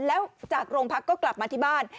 แล้วจากโรงพักก็กลับมาที่บ้าน